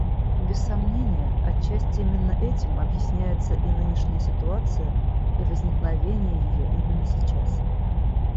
Без сомнения, отчасти именно этим объясняется и нынешняя ситуация, и возникновение ее именно сейчас.